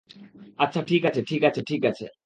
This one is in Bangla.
আচ্ছা, ঠিক আছে, ঠিক আছে, ঠিক আছে।